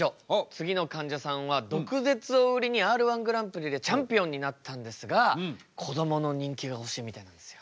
次のかんじゃさんは毒舌を売りにＲー１グランプリでチャンピオンになったんですがこどもの人気が欲しいみたいなんですよ。